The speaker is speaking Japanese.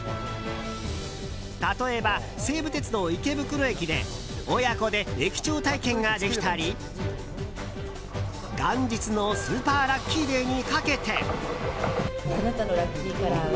例えば、西武鉄道池袋駅で親子で駅長体験ができたり元日のスーパーラッキーデーにかけて。